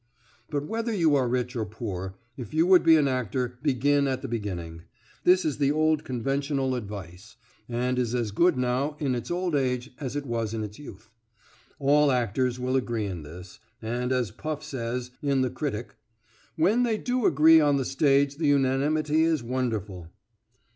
But whether you are rich or poor, if you would be an actor begin at the beginning. This is the old conventional advice, and is as good now in its old age as it was in its youth. All actors will agree in this, and as Puff says, in the Critic, "When they do agree on the stage the unanimity is wonderful."